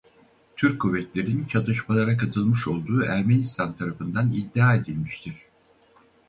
Türk kuvvetlerin çatışmalara katılmış olduğu Ermenistan tarafından iddia edilmiştir.